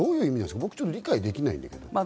僕、理解できないんですが。